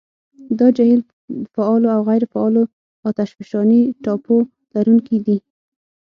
دا جهیل فعالو او غیرو فعالو اتشفشاني ټاپو لرونکي دي.